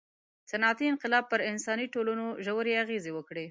• صنعتي انقلاب پر انساني ټولنو ژورې اغېزې وکړې.